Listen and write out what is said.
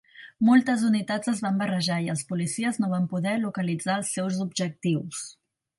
Moltes unitats es van barrejar i els policies no van poder localitzar els seus objectius.